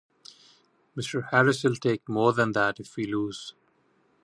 Mr. Harris'll take more than that if we lose.